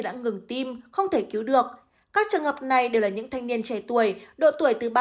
bệnh của tim không thể cứu được các trường hợp này đều là những thanh niên trẻ tuổi độ tuổi từ